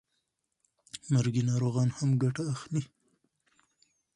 مرګي ناروغان هم ګټه اخلي.